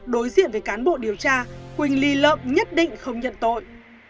đối diện với cán bộ điều tra quỳnh ly lợm nhất định không nhận tội